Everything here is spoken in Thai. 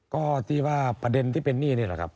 ก็ที่ว่าประเด็นที่เป็นหนี้นี่แหละครับ